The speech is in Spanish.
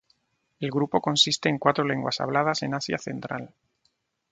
El grupo consiste en cuatro lenguas habladas en Asia Central.